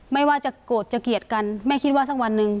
ไม่ว่าจะโกรธจะเกลียดกันแม่คิดว่าสักวันหนึ่ง